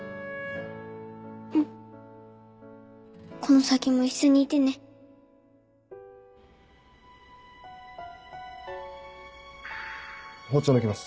うんこの先も一緒にいてね包丁抜きます。